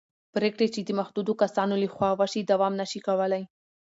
پرېکړې چې د محدودو کسانو له خوا وشي دوام نه شي کولی